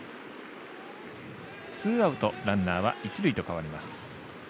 ツーアウト、ランナーは一塁と変わります。